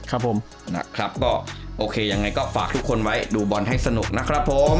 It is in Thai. ครับผมนะครับก็โอเคยังไงก็ฝากทุกคนไว้ดูบอลให้สนุกนะครับผม